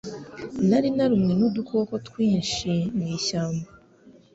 Nari narumwe nudukoko twinshi mwishyamba.